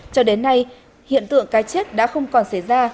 cho đến nay hiện tượng cá chết đã không còn xảy ra